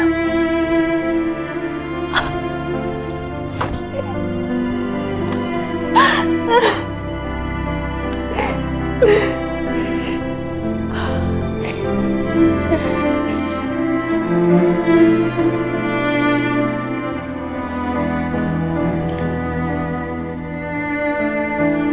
gue benci sama diriku